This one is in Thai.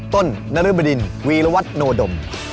ต้นนรึบดินวีรวัตโนดม